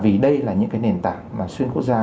vì đây là những nền tảng xuyên quốc gia